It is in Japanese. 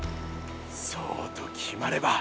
そうと決まれば。